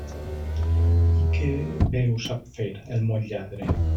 I que bé ho sap fer, el molt lladre!